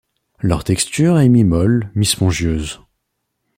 Leur texture est mi-molle mi-spongieuse.